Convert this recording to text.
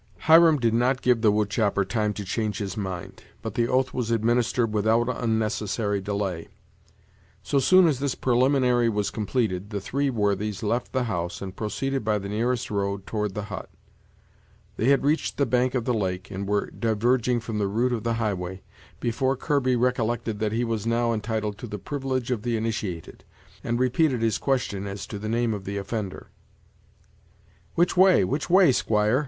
Hiram did not give the wood chopper time to change his mind, but the oath was administered without unnecessary delay. So soon as this preliminary was completed, the three worthies left the house, and proceeded by the nearest road toward the hut. They had reached the bank of the lake, and were diverging from the route of the highway, before Kirby recollected that he was now entitled to the privilege of the initiated, and repeated his question as to the name of the offender, "Which way, which way, squire?"